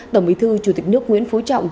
tổng bí thư chủ tịch nước nguyễn phú trọng